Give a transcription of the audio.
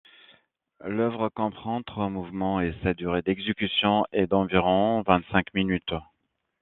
L'œuvre comprend trois mouvements et sa durée d'exécution est d'environ vingt-cinq minutes.